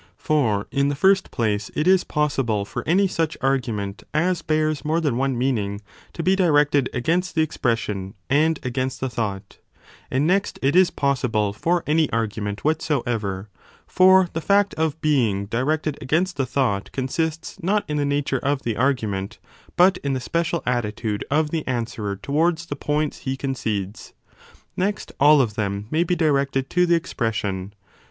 For, in the first place, it is possible for any such argument as bears more than one meaning to be directed against the expression and against the thought, and next it is possible for any argument whatsoever ; for the fact of being directed against the thought consists not in the nature of the argument, but in the special attitude of the answerer towards the points he 30 concedes. Next, all of them may be directed to the expres sion.